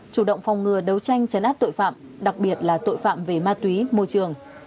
chủ động phòng ngừa đấu tranh chấn áp tội phạm đặc biệt là tội phạm về ma túy môi trường